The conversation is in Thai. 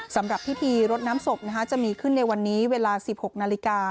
สำหรับพิธีรดน้ำศพจะมีขึ้นในวันนี้เวลา๑๖นาฬิกา